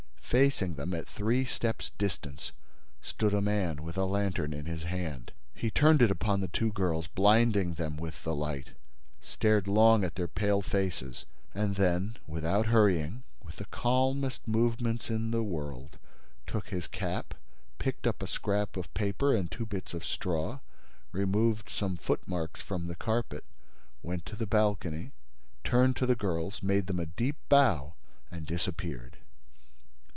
Facing them, at three steps' distance, stood a man, with a lantern in his hand. He turned it upon the two girls, blinding them with the light, stared long at their pale faces, and then, without hurrying, with the calmest movements in the world, took his cap, picked up a scrap of paper and two bits of straw, removed some footmarks from the carpet, went to the balcony, turned to the girls, made them a deep bow and disappeared.